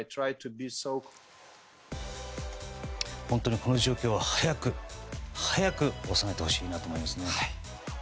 本当にこの状況を早く収めてほしいなと思います。